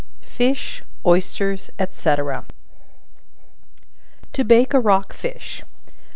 FISH, OYSTERS, &c. To Bake a Rock Fish.